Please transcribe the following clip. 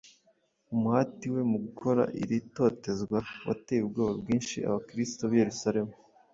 Umuhati we mu gukora iri totezwa wateye ubwoba bwinshi Abakristo b’i Yerusalemu.